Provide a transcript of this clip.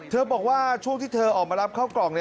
บอกว่าช่วงที่เธอออกมารับเข้ากล่อง